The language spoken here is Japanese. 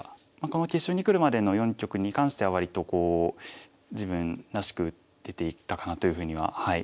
この決勝にくるまでの４局に関しては割とこう自分らしく打てていたかなというふうには。